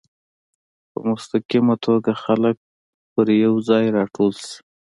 په مستقیمه توګه خلک پر یو ځای راټول شي.